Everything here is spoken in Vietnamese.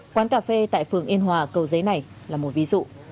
quán cà phê tại phường yên hòa cầu giấy này là một ví dụ